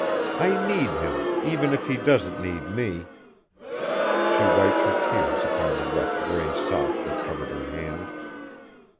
I need him even if he doesn't need me." She wiped her tears upon the rough gray sock that covered her hand.